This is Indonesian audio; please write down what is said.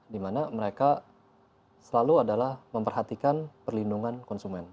dimana mereka selalu adalah memperhatikan perlindungan konsumen